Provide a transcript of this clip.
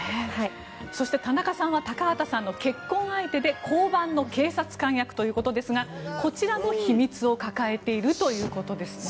そして田中さんは高畑さんの結婚相手で交番の警察官役ということですがこちらも秘密を抱えているということですね。